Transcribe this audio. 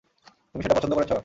তুমি সেটা পছন্দ করেছ?